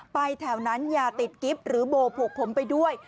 แถวนั้นอย่าติดกิ๊บหรือโบผูกผมไปด้วย